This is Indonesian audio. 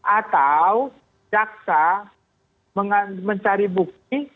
atau jaksa mencari bukti